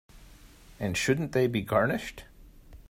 And shouldn't they be garnished?